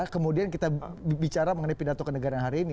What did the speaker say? kemudian kita bicara mengenai pidato kenegaraan hari ini